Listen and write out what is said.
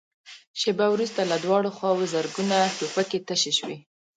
شېبه وروسته له دواړو خواوو زرګونه ټوپکې تشې شوې.